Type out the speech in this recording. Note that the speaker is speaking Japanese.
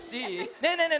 ねえねえねえね